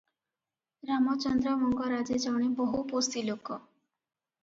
ରାମଚନ୍ଦ୍ର ମଙ୍ଗରାଜେ ଜଣେ ବହୁପୋଷୀ ଲୋକ ।